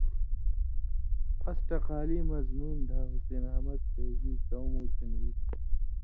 اس ٹقالی مضمون دھا حسین احمد فیضی څؤں مُوٹھِن ای تُھو